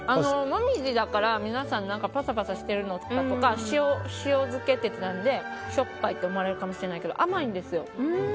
モミジだから皆さんパサパサしてるとか塩漬けって言ってたのでしょっぱいって思われるかもしれないけど甘いんですよ。